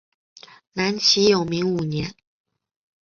南齐永明五年。